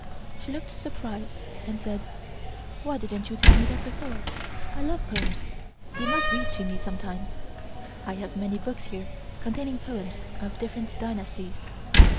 She looked surprised and said: "Why didn't you tell me that before? I love poems. You must read to me sometimes. I have many books here containing poems of different dynasties."